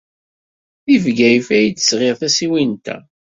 Deg Bgayet ay d-sɣiɣ tasiwant-a.